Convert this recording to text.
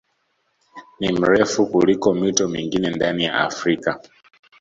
Ni mrefu kuliko mito mingine ndani ya Afrika